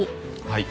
はい。